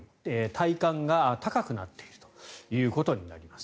体感が高くなっているということになります。